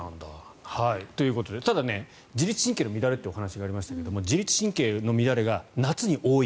ただ、自律神経の乱れという話がありましたが自律神経の乱れが夏に多い。